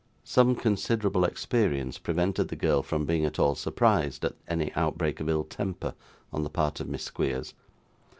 Some considerable experience prevented the girl from being at all surprised at any outbreak of ill temper on the part of Miss Squeers.